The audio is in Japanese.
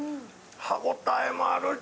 歯応えもあるし。